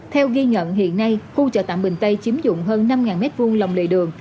theo ghi nhận hiện nay khu chợ tạm bình tây chiếm dụng hơn năm m hai lòng lề đường